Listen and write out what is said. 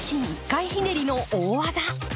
１回ひねりの大技。